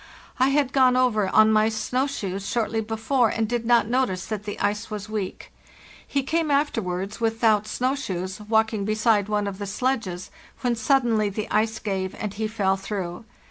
I had gone over on my snow shoes shortly before and did not notice that the ice was weak. He came afterwards without snow shoes, walking beside one of the sledges, when suddenly the ice gave, and he fell through.